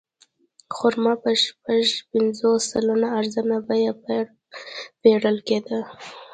خرما په شپږ پنځوس سلنه ارزانه بیه پېرل کېده.